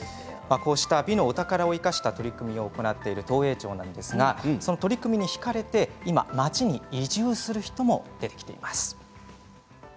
こうした美のお宝を生かした取り組みを行っている東栄町なんですがその取り組みにひかれて、今町に移住する人も出てきています。